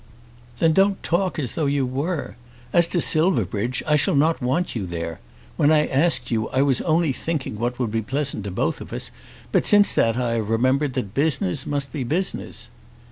"Then don't talk as though you were. As to Silverbridge, I shall not want you there. When I asked you I was only thinking what would be pleasant to both of us; but since that I have remembered that business must be business."